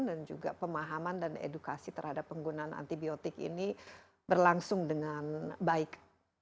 dan juga pemahaman dan edukasi terhadap penggunaan antibiotik ini berlangsung dengan baik